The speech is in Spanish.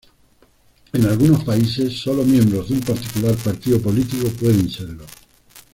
En algunos países, solo miembros de un particular partido político pueden serlo.